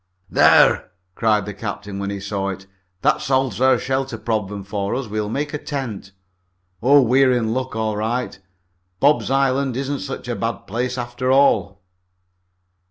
"There!" cried the captain, when he saw it. "That solves our shelter problem for us. We'll make a tent. Oh, we're in luck, all right. 'Bob's Island' isn't such a bad place after all."